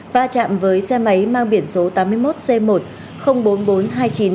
va chạm với xe máy mang biển số tám mươi một c một trăm linh bốn nghìn bốn trăm hai mươi chín